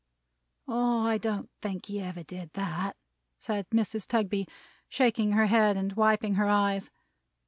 "I don't think he ever did that," said Mrs. Tugby, shaking her head and wiping her eyes.